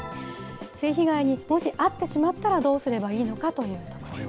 性被害にもし遭ってしまったらどうすればいいのかというところですね。